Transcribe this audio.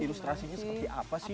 ilustrasinya seperti apa sih